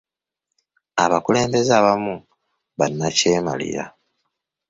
Abakulembeze abamu bannakyemalira.